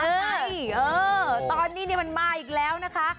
เอ่อตอนนี้นะครับมันมาอีกแล้วนะคะ